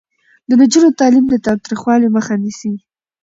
د نجونو تعلیم د تاوتریخوالي مخه نیسي.